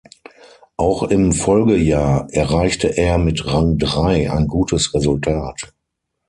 Auch im Folgejahr erreichte er mit Rang drei ein gutes Resultat.